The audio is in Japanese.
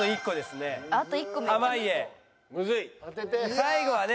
最後はね。